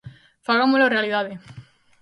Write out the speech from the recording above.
Fagámolo realidade!